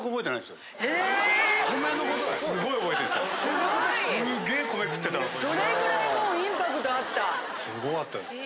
すごかったです。